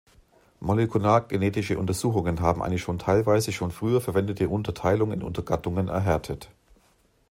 Molekulargenetische Untersuchungen haben eine schon teilweise schon früher verwendete Unterteilung in Untergattungen erhärtet.